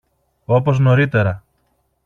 όπως νωρίτερα